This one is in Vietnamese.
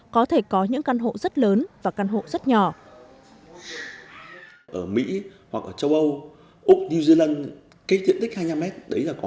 có thể có những căn hộ rất lớn và căn hộ rất nhỏ